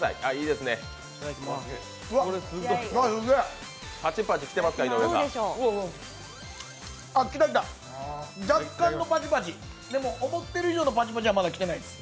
でも思ってる以上のパチパチはまだきてないです。